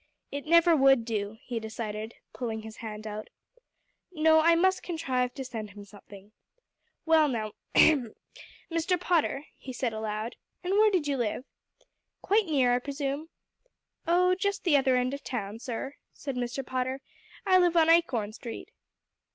"It never would do," he decided, pulling his hand out. "No, I must contrive to send him something. Well, now hem Mr. Potter," he said aloud, "and where do you live? Quite near, I presume?" "Oh, just the other end of the town, sir," said Mr. Potter. "I live on Acorn Street."